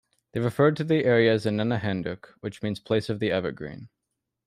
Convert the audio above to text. They referred to the area as "Innenehinduc," which means "place of the evergreen.